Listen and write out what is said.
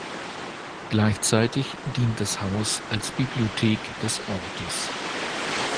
Gleichzeitig dient das Haus als Bibliothek des Ortes.